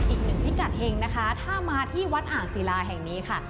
อีกหนึ่งพิกัดเฮงนะคะถ้ามาที่วัดอ่างศิลาแห่งนี้ค่ะ